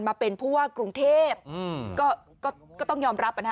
มาเป็นผู้ว่ากรุงเทพก็ต้องยอมรับ